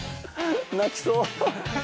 泣きそう。